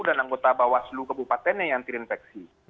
dan anggota bawah seluruh kebupatennya yang terinfeksi